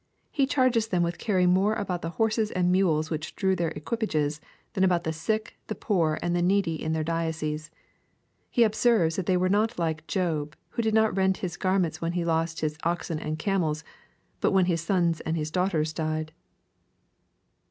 He charges them with caring more about the horses and mules which drew their equipages, than about the sick, the poor, and the needy in their diocese. He observes that they were not like Job, who did not rend his garments when he lost his oxen and camels, but when his sons and his daughters died.